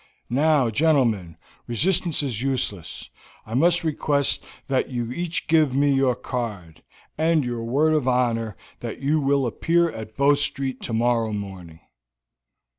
Now, gentlemen, resistance is useless; I must request that you each give me your card, and your word of honor that you will appear at Bow Street tomorrow morning."